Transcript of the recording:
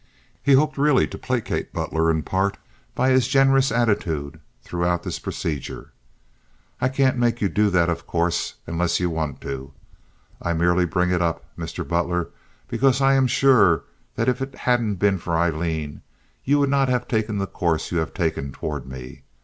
He hoped really to placate Butler in part by his generous attitude throughout this procedure. "I can't make you do that, of course, unless you want to. I merely bring it up, Mr. Butler, because I am sure that if it hadn't been for Aileen you would not have taken the course you have taken toward me.